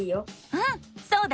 うんそうだね。